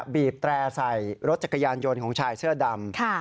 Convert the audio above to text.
บีบแตร่ใส่รถจักรยานยนต์ของชายเสื้อดำ